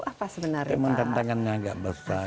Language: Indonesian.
apa sebenarnya tantangannya agak besar